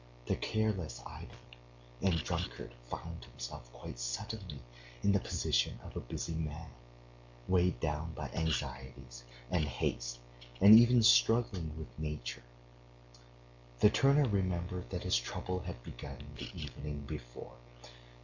The careless idler and drunkard found himself quite suddenly in the position of a busy man, weighed down by anxieties and haste, and even struggling with nature. The turner remembered that his trouble had begun the evening before.